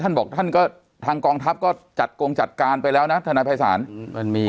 ท่านบอกท่านก็ทางกองทัพก็จัดกงจัดการไปแล้วนะทนายภัยศาลมันมี